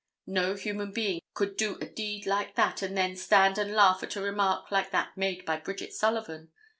No human being could do a deed like that and then stand and laugh at a remark like that made by Bridget Sullivan.